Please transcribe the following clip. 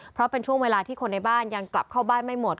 เพราะเป็นช่วงเวลาที่คนในบ้านยังกลับเข้าบ้านไม่หมด